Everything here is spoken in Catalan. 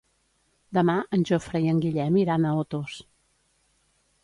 Demà en Jofre i en Guillem iran a Otos.